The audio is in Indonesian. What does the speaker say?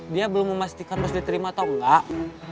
dia belum memastikan harus diterima atau enggak